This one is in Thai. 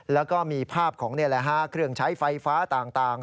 แล้วก็มีภาพของเครื่องใช้ไฟฟ้าต่าง